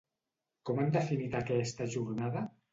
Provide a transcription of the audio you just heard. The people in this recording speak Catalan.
Com han definit aquesta jornada?